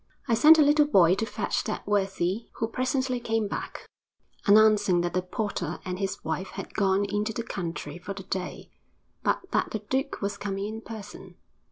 I sent a little boy to fetch that worthy, who presently came back, announcing that the porter and his wife had gone into the country for the day, but that the duke was coming in person.